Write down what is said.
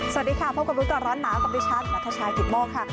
สวัสดีค่ะพบกันยุคกับร้อนน้ำกับดิฉันนัทชายพิมพ์โมงค่ะ